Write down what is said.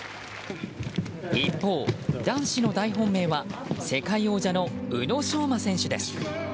一方、男子の大本命は世界王者の宇野昌磨選手です。